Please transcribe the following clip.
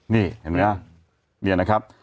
นี่เห็นไหมนี่นะครับ